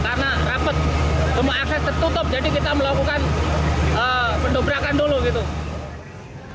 karena rapet semua akses tertutup jadi kita melakukan pendobrakan dulu gitu